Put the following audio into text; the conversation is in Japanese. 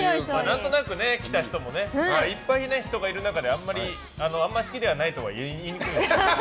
何となく来た人もいっぱい人がいる中であんまり好きじゃないって言いにくいですから。